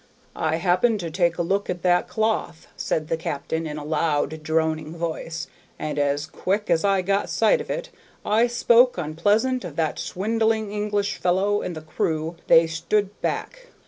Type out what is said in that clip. "I happened to take a look at that cloth," said the captain, in a loud droning voice, "and as quick as I got sight of it, I spoke onpleasant of that swindling English fellow, and the crew, they stood back.